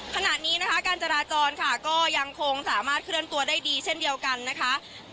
ขณะนี้นะคะการจราจรค่ะก็ยังคงสามารถเคลื่อนตัวได้ดีเช่นเดียวกันนะคะ